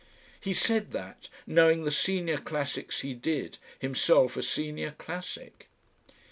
He said that, knowing the Senior Classics he did, himself a Senior Classic!